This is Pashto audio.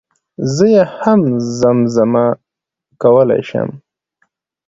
زه يي هم زم زمه کولی شم